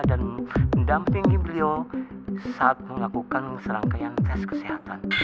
dan mendampingi beliau saat mengakukan selangkaian tes kesehatan